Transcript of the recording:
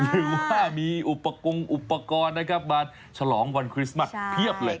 ถือว่ามีอุปกรณ์อุปกรณ์นะครับมาฉลองวันคริสต์มัสเพียบเลย